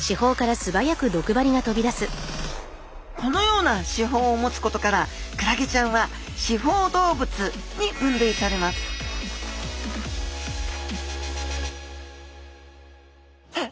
このような刺胞を持つことからクラゲちゃんは刺胞動物に分類されますさあ